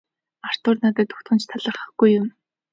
Артур надад огтхон ч талархахгүй юм.